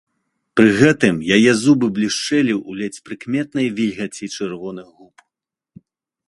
Пры гэтым яе зубы блішчэлі ў ледзь прыкметнай вільгаці чырвоных губ.